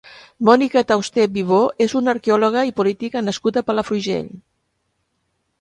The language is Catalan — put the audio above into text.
Mònica Tauste Vivo és una arqueòloga i política nascuda a Palafrugell.